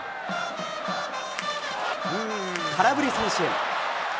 空振り三振。